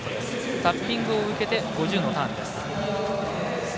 タッピングを受けて５０のターン。